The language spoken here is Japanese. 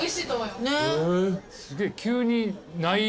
すげえ急に。